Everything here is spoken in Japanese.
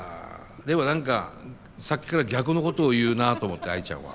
でも何かさっきから逆のことを言うなと思ってアイちゃんは。